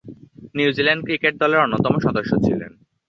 New Zealand cricket দলের অন্যতম সদস্য ছিলেন।